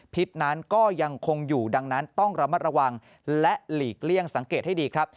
พิษนั้นก็ยังคงอยู่ดังนั้นต้องระมัดระวังและหลีกเลี่ยงสังเกตให้ดีครับ